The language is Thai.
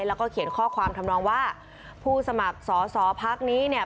แล้วก็เขียนข้อความทำนองว่าผู้สมัครสอสอพักนี้เนี่ย